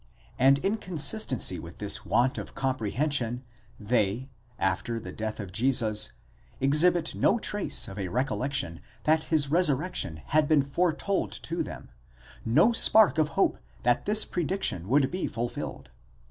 10); and in consistency with this want of comprehension, they, after the death of Jesus, exhibit no trace of a recollection that his resurrection had been foretold to them, no spark of hope that this prediction would be fulfilled.